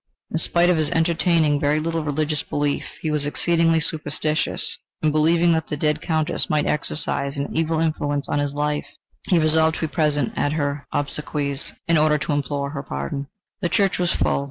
In spite of his entertaining very little religious belief, he was exceedingly superstitious; and believing that the dead Countess might exercise an evil influence on his life, he resolved to be present at her obsequies in order to implore her pardon. The church was full.